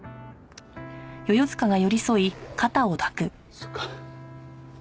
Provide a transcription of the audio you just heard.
そっか。